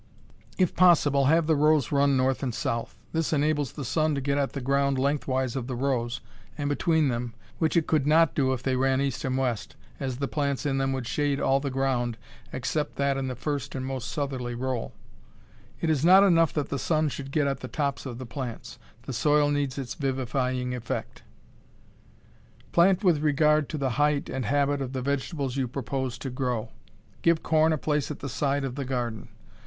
If possible, have the rows run north and south. This enables the sun to get at the ground lengthwise of the rows, and between them, which it could not do if they ran east and west, as the plants in them would shade all the ground except that in the first and most southerly row. It is not enough that the sun should get at the tops of the plants. The soil needs its vivifying effect. Plant with regard to the height and habit of the vegetables you propose to grow. Give corn a place at the side of the garden.